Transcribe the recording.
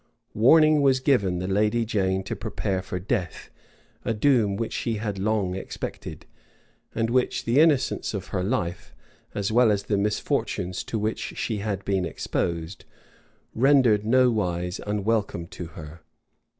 Warning was given the lady Jane to prepare for death; a doom which she had long expected, and which the innocence of her life, as well as the misfortunes to which she had been exposed, rendered nowise unwelcome to her.